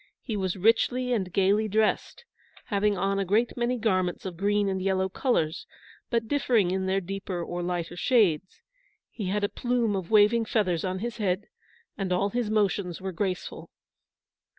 He was richly and gayly dressed, having on a great many garments of green and yellow colours, but differing in their deeper or lighter shades. He had a plume of waving feathers on his head, and all his motions were graceful.